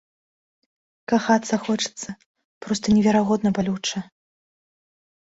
Кахацца хочацца, проста неверагодна балюча.